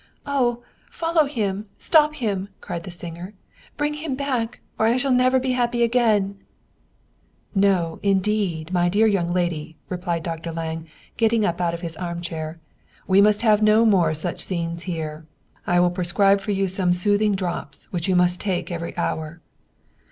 " Oh, follow him, stop him !" cried the singer. " Bring him back, or I shall never be happy again !"" No, indeed, my dear young lady," replied Dr. Lange, getting up out of his armchair. " We must have no more such scenes here. I will prescribe for you some soothing drops, which you must take every hour."